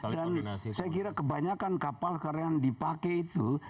dan saya kira kebanyakan kapal yang dipakai itu